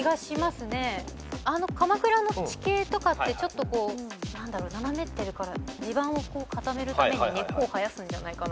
あの鎌倉の地形とかってちょっと斜めってるから地盤を固めるために根っこを生やすんじゃないかな。